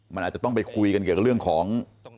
มันอาจจะต้องไปคุยกันเกี่ยวกับเรื่องของ